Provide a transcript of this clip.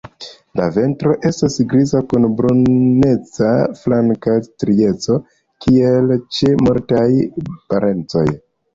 La ventro estas griza kun bruneca flanka strieco, kiel ĉe multaj parencoj.